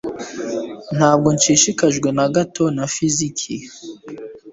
Ntabwo nshishikajwe na gato na fiziki